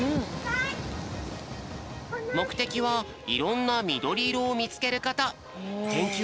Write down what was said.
もくてきはいろんなみどりいろをみつけること。